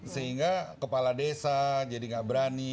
sehingga kepala desa jadi nggak berani